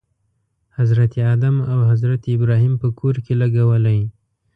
حضرت آدم او حضرت ابراهیم په کور کې لګولی.